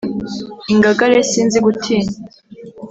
Ingangare sinzi gutinya